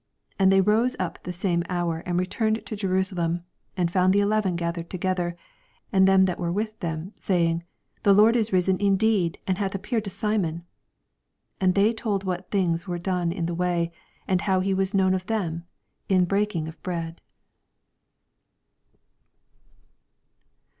83 And they rose up the same hour, and returned to Jerasalem, and found the eleven gathered together, and them that were with them, 84 Say ing, The Lord is risen indeed, and hath appeared to Simon. 85 And they told what things wer€ done in the way, and how he was known of them in breaking of bread.